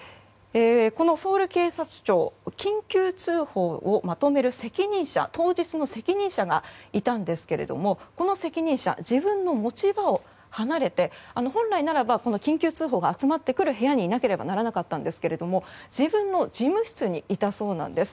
このソウル警察庁緊急通報をまとめる当日の責任者がいたんですけれどもこの責任者自分の持ち場を離れて本来ならば緊急通報が集まってくる部屋にいなければならなかったんですが自分の事務室にいたそうなんです。